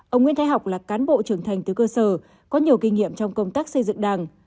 ông nguyễn thái học là cán bộ trưởng thành từ cơ sở có nhiều kinh nghiệm trong công tác xây dựng đảng